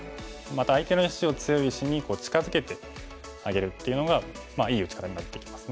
また相手の石を強い石に近づけてあげるっていうのがいい打ち方になってきますね。